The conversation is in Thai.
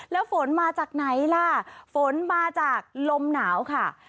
แล้วฝนมาจากไหนล่ะฝนมาจากลมหนาวค่ะ